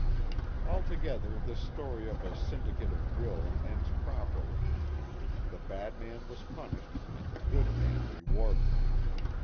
Altogether this story of a syndicate of will ends properly ; the bad man was punished and the good man rewarded.